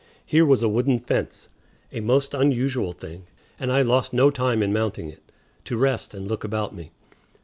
Here was a wooden fence, a most unusual thing, and I lost no time in mounting it, to rest and look about me.